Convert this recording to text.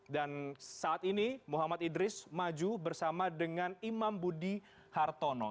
dan saat ini muhammad idris maju bersama dengan imam budi hartono